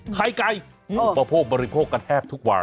ไข่ไก่อุปโภคบริโภคกันแทบทุกวัน